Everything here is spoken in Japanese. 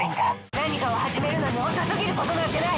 何かを始めるのに遅すぎることなんてない。